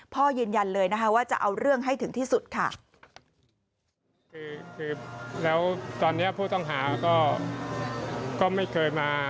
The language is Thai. ยืนยันเลยนะคะว่าจะเอาเรื่องให้ถึงที่สุดค่ะ